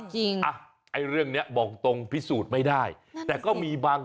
จริงจริง